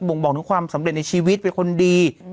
่งบอกถึงความสำเร็จในชีวิตเป็นคนดี